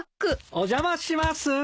お邪魔します。